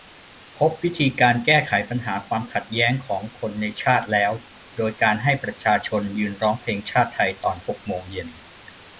พบวิธีการแก้ไขปัญหาความขัดแย้งของคนในชาติแล้ว โดยการให้ประชาชน ยืนร้องเพลงชาติไทยตอนหกโมงเย็น